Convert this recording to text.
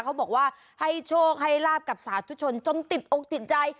เขาบอกว่าให้โชคให้ลาบกับสาธุชนจนติดอกติดใจ